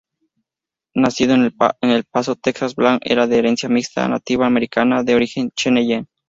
Nacido en El Paso, Texas, Black era de herencia mixta nativa-americana, de origen Cheyenne.